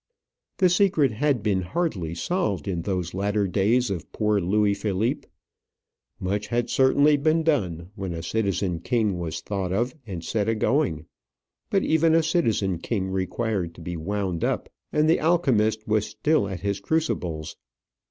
The secret had been hardly solved in those latter days of poor Louis Philippe. Much had certainly been done when a citizen king was thought of and set agoing; but even a citizen king required to be wound up, and the alchemist was still at his crucibles.